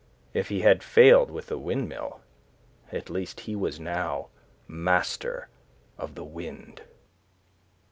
If he had failed with the windmill, at least he was now master of the wind.